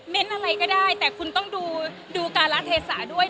เมนต์อะไรก็ได้แต่คุณต้องดูการาเทศาด้วย